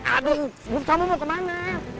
aduh kamu mau kemana